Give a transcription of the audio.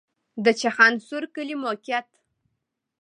د چخانسور کلی موقعیت